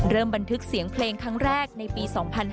บันทึกเสียงเพลงครั้งแรกในปี๒๕๕๙